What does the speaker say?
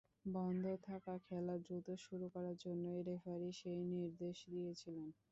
বন্ধ থাকা খেলা দ্রুত শুরু করার জন্যই রেফারি সেই নির্দেশ দিয়েছিলেন।